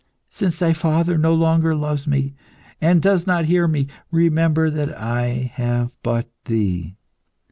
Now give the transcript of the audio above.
Since Thy Father no longer loves me, and does not hear me, remember that I have but Thee.